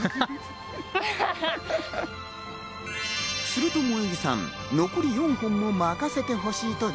すると萌木さん、残り４本も任せてほしいと